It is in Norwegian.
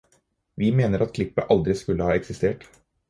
Vi mener at klippet aldri skulle ha eksistert.